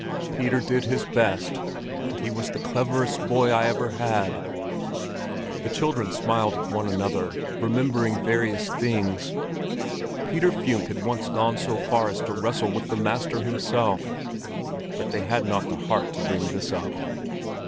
Peter did his best—and he was the cleverest boy I ever had." The children smiled at one another, remembering various things. Peter Funck had once gone so far as to wrestle with the master himself, but they had not the heart to bring this up.